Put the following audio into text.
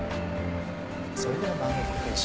それでは。